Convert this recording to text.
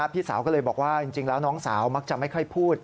พี่สาวก็เลยบอกว่าจริงแล้วน้องสาวมักจะไม่ค่อยพูด